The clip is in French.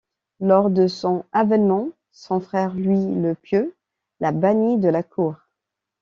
Lors de son avènement, son frère, Louis le Pieux, la bannit de la cour.